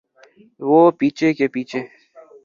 وہ پیچھے کے پیچھے۔